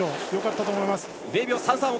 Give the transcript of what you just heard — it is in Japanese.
よかったと思います。